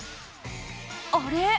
あれ？